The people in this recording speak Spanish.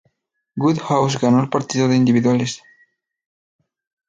Woodhouse ganó el partido de individuales.